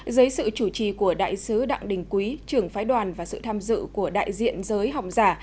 dưới sự chủ trì của đại sứ đặng đình quý trưởng phái đoàn và sự tham dự của đại diện giới học giả